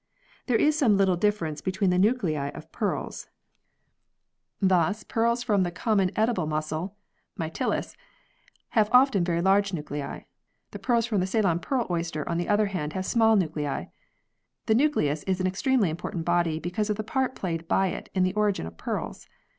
There is some little difference between the nuclei of pearls. Thus the pearls froni the common edible 60 PEARLS [CH. mussel (Mytilus) have often very large nuclei. The pearls from the Ceylon pearl oyster on the other hand have small nuclei. The nucleus is an extremely important body because of the part played by it in the origin of pearls.